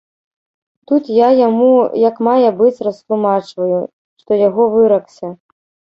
Тут я яму як мае быць растлумачваю, што яго выракся.